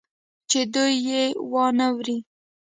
چې دوى يې وانه وري.